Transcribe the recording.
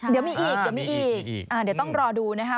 เดี๋ยวมีอีกเดี๋ยวต้องรอดูนะฮะ